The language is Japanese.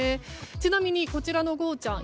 ちなみに、こちらのゴーちゃん。